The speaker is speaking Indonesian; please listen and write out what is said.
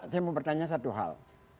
saya mau bertanya satu hal